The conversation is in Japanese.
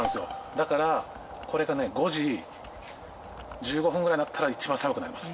だからこれがね５時１５分ぐらいになったら一番寒くなります。